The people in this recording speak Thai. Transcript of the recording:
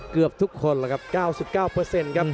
เกือบทุกคนแล้วครับ๙๙ครับ